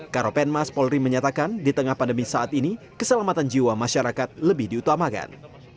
karopen mas polri menyatakan di tengah pandemi saat ini keselamatan jiwa masyarakat lebih diutamakan